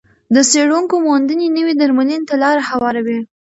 د څېړونکو موندنې نوې درملنې ته لار هواروي.